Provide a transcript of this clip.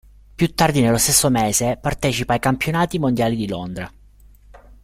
Più tardi nello stesso mese, partecipa ai Campionati Mondiali di Londra.